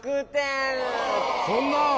そんな。